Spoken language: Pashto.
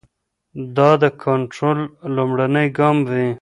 دا د کنټرول لومړنی ګام وي.